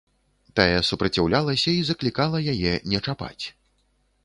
Тая супраціўлялася і заклікала яе не чапаць.